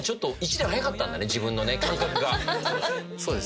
そうです。